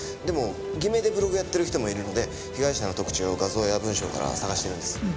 でも偽名でブログをやっている人もいるので被害者の特徴を画像や文章から探してるんです。